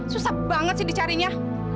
susah banget sih dicarinya